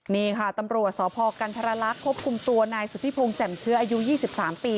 นี่ค่ะตำรวจสพกันธรรลักษณ์ควบคุมตัวนายสุธิพงศ์แจ่มเชื้ออายุ๒๓ปี